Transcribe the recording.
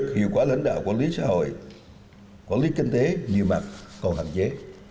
hiệu quả lãnh đạo quản lý xã hội quản lý kinh tế nhiều mặt còn hạn chế